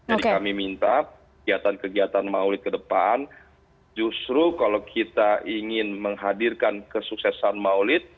jadi kami minta kegiatan kegiatan maulid ke depan justru kalau kita ingin menghadirkan kesuksesan maulid